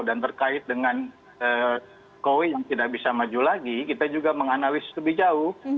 dan terkait dengan kowe yang tidak bisa maju lagi kita juga menganalisis lebih jauh